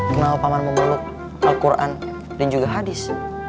mengenal paman memeluk al quran dan juga hadis